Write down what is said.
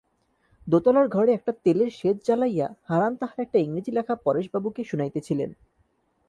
দোতলার ঘরে একটা তেলের শেজ জ্বালাইয়া হারান তাহার একটা ইংরেজি লেখা পরেশবাবুকে শুনাইতেছিলেন।